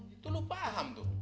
itu lu paham tuh